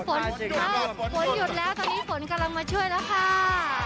ฝนหยุดแล้วตอนนี้ฝนกำลังมาช่วยแล้วค่ะ